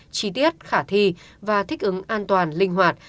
chi tiết khả thi và thích ứng an toàn linh hoạt